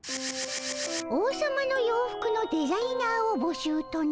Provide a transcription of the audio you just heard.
王様の洋服のデザイナーをぼしゅうとな？